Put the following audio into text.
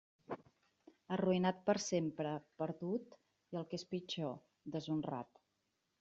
Arruïnat per sempre, perdut, i el que és pitjor, deshonrat.